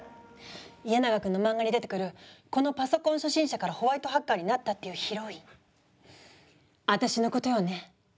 家長くんのマンガに出てくるこのパソコン初心者からホワイトハッカーになったっていうヒロイン私のことよね？